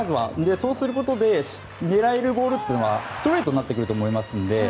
そうすることで狙えるボールというのはストレートになってくると思いますので。